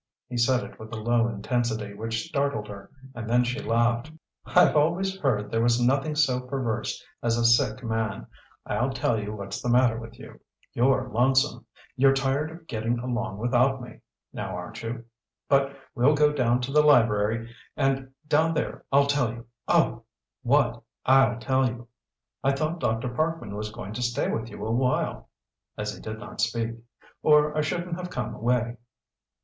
he said it with a low intensity which startled her, and then she laughed. "I've always heard there was nothing so perverse as a sick man. I'll tell you what's the matter with you. You're lonesome. You're tired of getting along without me now aren't you? But we'll go down to the library, and down there I'll tell you oh, what I'll tell you! I thought Dr. Parkman was going to stay with you a while," as he did not speak "or I shouldn't have come away."